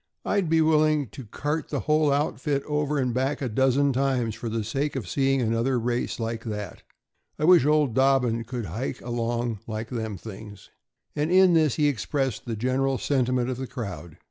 "I'd be willing to cart the whole outfit over and back a dozen times for the sake of seeing another race like that. I wish old Dobbin could hike along like them things." And in this he expressed the general sentiment of the crowd.